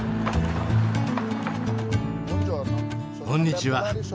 こんにちは。